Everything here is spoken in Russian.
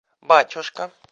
батюшка